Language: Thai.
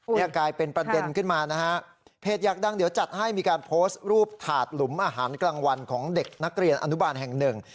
นี่กลายเป็นประเด็นขึ้นมานะฮะเพจอยากดังเดี๋ยวจัดให้มีการโพสต์รูปถาดหลุมอาหารกลางวันของเด็กนักเรียนอนุบาลแห่งหนึ่ง